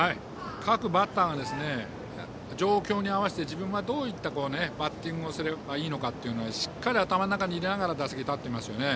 各バッターが状況に合わせて自分がどういったバッティングをすればいいのかをしっかり頭の中に入れながら打席に立っていますよね。